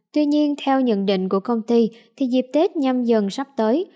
tuy nhiên theo nhận định của công ty thì dịp tết nhâm dần sắp tới